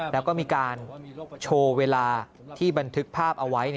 แล้วก็มีการโชว์เวลาที่บันทึกภาพเอาไว้